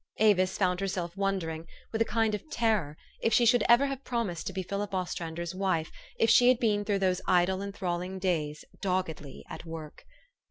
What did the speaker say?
Avis found her self wondering, with a kind of terror, if she should ever have promised to be Philip Ostrander 's wife, if she had been through those idle, enthralling days doggedly at work.